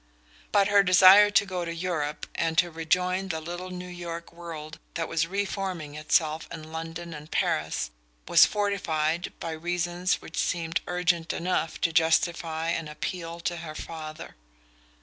But her desire to go to Europe and to rejoin the little New York world that was reforming itself in London and Paris was fortified by reasons which seemed urgent enough to justify an appeal to her father.